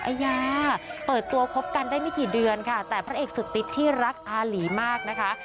อาญาเปิดตัวคบกันได้ไม่กี่เดือนค่ะแต่พระเอกสุดติ๊ดที่รักอาหลีมากนะคะ